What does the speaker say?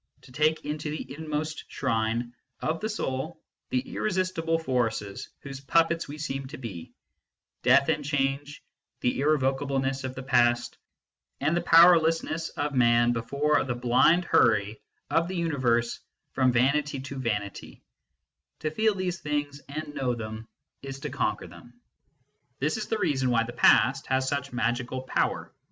To take into the inmost shrine of the soul the irresistible forces whose puppets we seem to be Death and change, the irrevocableness of the past, and the powerlessness of man before the blind hurry of the universe from vanity to vanity to feel these things and know them is to conquer them. This is the reason why the Past has such magical power.